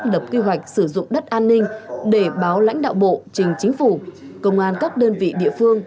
đối với công tác lập quy hoạch sử dụng đất an ninh để báo lãnh đạo bộ trình chính phủ công an các đơn vị địa phương